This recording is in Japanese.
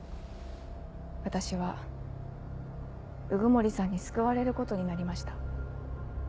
私は鵜久森さんに救われることになりました。